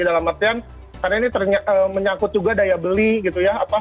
dalam artian karena ini menyangkut juga daya beli gitu ya